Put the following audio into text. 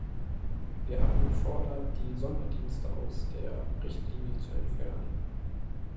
Wir haben gefordert, die Sonderdienste aus der Richtlinie zu entfernen.